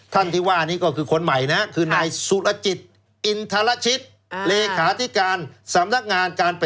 ท่านที่ว่าก็คือคนใหม่นะ